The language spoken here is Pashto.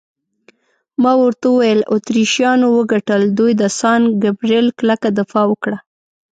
ما ورته وویل: اتریشیانو وګټل، دوی د سان ګبرېل کلکه دفاع وکړه.